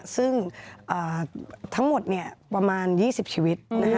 ซึ่งทั้งหมดเนี่ยประมาณ๒๐ชีวิตนะฮะ